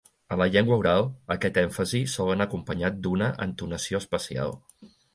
En la llengua oral, aquest èmfasi sol anar acompanyat d'una entonació especial.